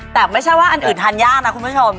แต่ไม่ใช่ว่าอันอื่นทานยากนะคุณผู้ชม